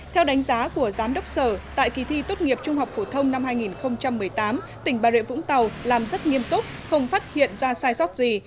theo đánh giá của giám đốc sở tại kỳ thi tốt nghiệp trung học phổ thông năm hai nghìn một mươi tám tỉnh bà rịa vũng tàu làm rất nghiêm túc không phát hiện ra sai sót gì